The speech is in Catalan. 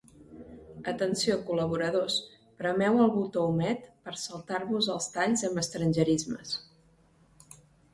Atenció, col·laboradors: premeu el botó 'omet' per saltar-vos els talls amb estrangerismes.